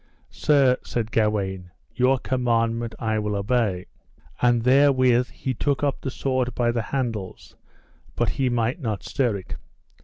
Sir, said Gawaine, your commandment I will obey. And therewith he took up the sword by the handles, but he might not stir it.